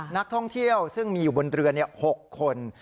นักท่องเที่ยวซึ่งมีอยู่บนเรือ๖คน